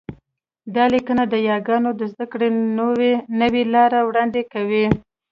دا لیکنه د یاګانو د زده کړې نوې لار وړاندې کوي